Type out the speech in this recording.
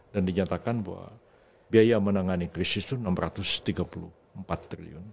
dan dinyatakan bahwa biaya menangani krisis itu enam ratus tiga puluh empat triliun